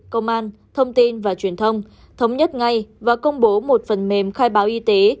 công an thông tin và truyền thông thống nhất ngay và công bố một phần mềm khai báo y tế